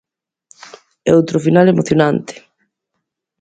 E outro final emocionante.